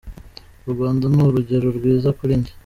U Rwanda ni urugero rwiza kuri njye.